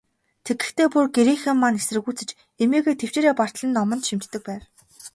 Тэгэхдээ, бүр гэрийнхэн маань эсэргүүцэж, эмээгээ тэвчээрээ бартал нь номд шимтдэг байв.